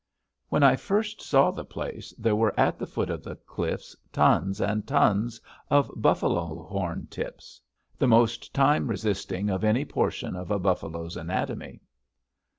When I first saw the place, there were at the foot of the cliffs tons and tons of buffalo horn tips, the most time resisting of any portion of a buffalo's anatomy.